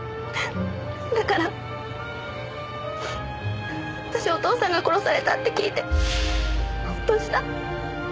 だから私お父さんが殺されたって聞いてホッとした！